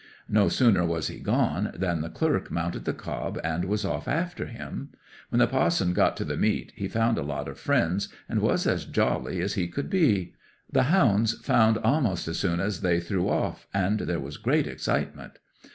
No sooner was he gone than the clerk mounted the cob, and was off after him. When the pa'son got to the meet, he found a lot of friends, and was as jolly as he could be: the hounds found a'most as soon as they threw off, and there was great excitement.